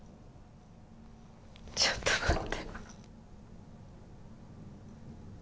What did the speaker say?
ちょっと待って。